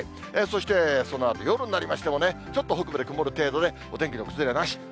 そしてそのあと夜になりましてもね、ちょっと北部で曇る程度で、お天気の崩れはなし。